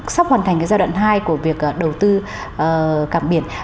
sắp hoàn thành giai đoạn hai của việc đầu tư cảng biển